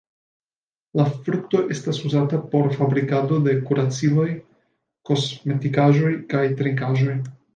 La frukto estas uzata por fabrikado de kuraciloj, kosmetikaĵoj, kaj trinkaĵoj.